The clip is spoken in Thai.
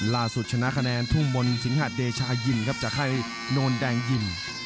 ล่าสุดชนะคะแนนทุ่มมนศิงหะเดชายิ่มครับจักรไข้โน่นแดงยิ่ม